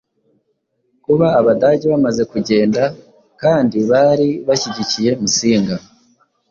Kuba Abadage bamaze kugenda kandi bari bashyigikiye Musinga